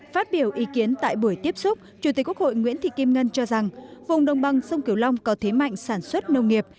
phát biểu ý kiến tại buổi tiếp xúc chủ tịch quốc hội nguyễn thị kim ngân cho rằng vùng đồng bằng sông cửu long có thế mạnh sản xuất nông nghiệp